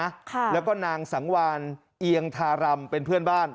ค่ะแล้วก็นางสังวานเอียงทารำเป็นเพื่อนบ้าน